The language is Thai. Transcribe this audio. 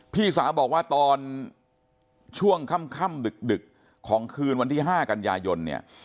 พี่สาวบอกว่าตอนช่วงค่ำดึกของคืนวันที่๕กันยายนเนี่ย